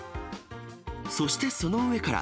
そしてその上から、